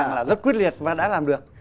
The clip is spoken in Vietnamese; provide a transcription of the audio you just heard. nó là rất quyết liệt và đã làm được